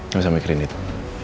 gak usah mikirin itu